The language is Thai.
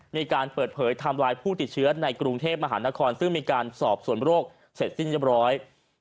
มีการเปิดเผยไทม์ไลน์ผู้ติดเชื้อในกรุงเทพมหานครซึ่งมีการสอบส่วนโรคเสร็จสิ้นเรียบร้อย